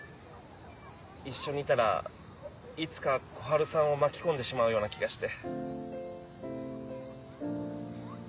一緒にいたらいつか小春さんを巻き込んでしまうような気がして。